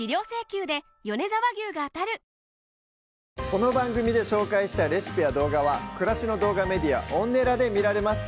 この番組で紹介したレシピや動画は暮らしの動画メディアＯｎｎｅｌａで見られます